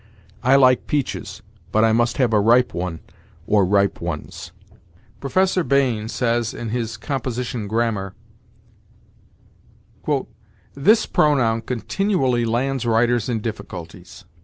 "I like peaches, but I must have a ripe one, or ripe ones." Professor Bain says, in his "Composition Grammar": "This pronoun continually lands writers in difficulties.